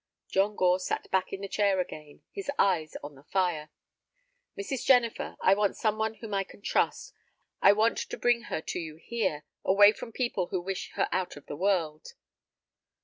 John Gore sat back in the chair again, his eyes on the fire. "Mrs. Jennifer, I want some one whom I can trust. I want to bring her to you here, away from people who wish her out of the world."